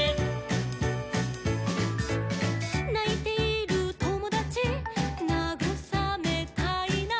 「ないているともだちなぐさめたいな」